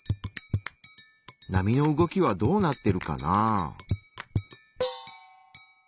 波の動きはどうなってるかな？